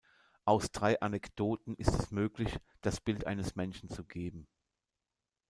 Aus drei Anekdoten ist es möglich, das Bild eines Menschen zu geben.